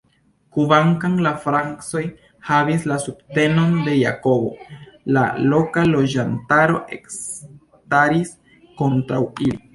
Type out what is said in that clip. Kvankam la Francoj havis la subtenon de Jakobo, la loka loĝantaro ekstaris kontraŭ ili.